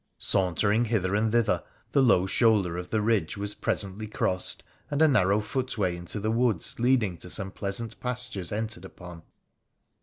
Sauntering hither and thither, the low shoulder of the ridge was presently crossed and a narrow footway in the woods leading to some pleasant pastures entered upon.